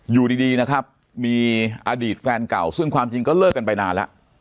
อยู่ดีนะครับมีอดีตแฟนเก่าซึ่งความจริงก็เลิกกันไปนานแล้ว